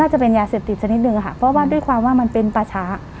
จะเป็นยาเสพติดสักนิดนึงค่ะเพราะว่าด้วยความว่ามันเป็นป่าช้า